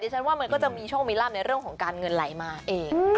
ฉันว่ามันก็จะมีโชคมีลาบในเรื่องของการเงินไหลมาเอง